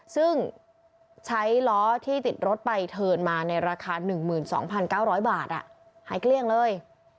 ซึ่งใช้ล้อที่ติดรถไปเทิร์นมาในราคา๑๒๙๐๐บาทหายเกลี้ยงเลย